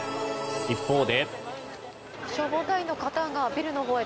一方で。